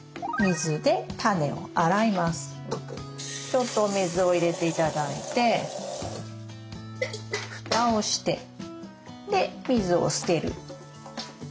ちょっとお水を入れて頂いて蓋をしてで水を捨てる。